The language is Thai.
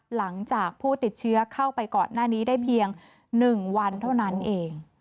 หลังจากผู้ติดเชื้อเข้าไปก่อนหน้านี้ได้เพียง๑วันเท่านั้นเอง